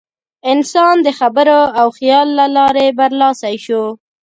انسان د خبرو او خیال له لارې برلاسی شو.